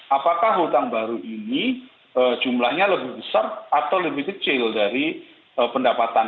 apakah hutang baru ini jumlahnya lebih besar atau lebih kecil dari pendapatan